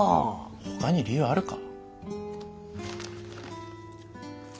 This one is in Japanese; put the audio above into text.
ほかに理由あるか？